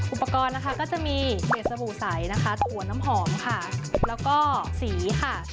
อุปกรณ์นะคะก็จะมีเห็ดสบู่ใสนะคะถั่วน้ำหอมค่ะแล้วก็สีค่ะ